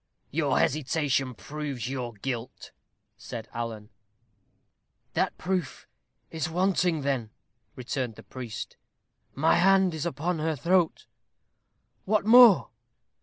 "Your hesitation proves your guilt," said Alan. "That proof is wanting, then?" returned the priest; "my hand is upon her throat what more?"